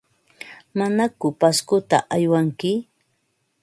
¿Manaku Pascota aywanki?